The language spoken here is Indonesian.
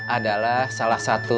adalah salah satu